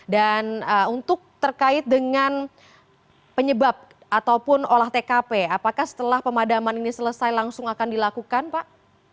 dan untuk terkait dengan penyebab ataupun olah tkp apakah setelah pemadaman ini selesai langsung akan dilakukan pak